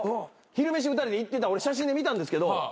昼飯２人で行ってた俺写真で見たんですけど。